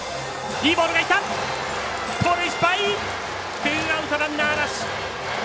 ツーアウト、ランナーなし。